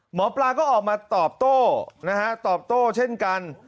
หมอปลาก็ออกมาตอบโต้นะฮะตอบโต้เช่นกัน